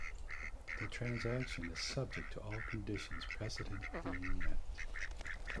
The transaction is subject to all conditions precedent being met.